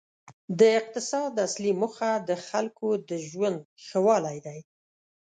د اقتصاد اصلي موخه د خلکو د ژوند ښه والی دی.